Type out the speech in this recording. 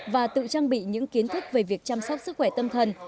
và tự trang bị những kiến thức về việc chăm sóc sức khỏe tâm thần